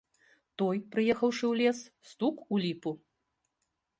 Той, прыехаўшы ў лес, стук у ліпу.